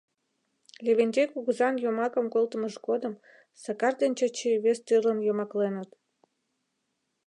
Левентей кугызан йомакым колтымыж годым Сакар ден Чачи вес тӱрлын йомакленыт...